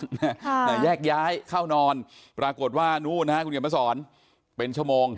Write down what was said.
แต่แยกย้ายเข้านอนปรากฏว่านู้นนะคุณเหนียวมาสอน